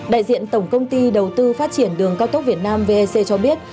đại diện tổng công ty đầu tư phát triển đường cao tốc việt nam vec cho biết